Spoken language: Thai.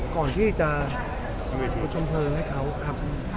ก่อนที่จะประชุมเทอมให้เขา